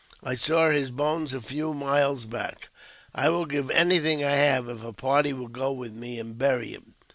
I saw his bones a few miles back. I will give anything I have if a party will go with me and bury him.